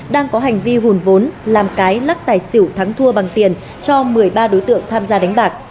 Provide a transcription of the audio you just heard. đang có hành vi hùn vốn làm cái lắc tài xỉu thắng thua bằng tiền cho một mươi ba đối tượng tham gia đánh bạc